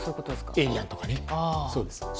エイリアンとか、そうです。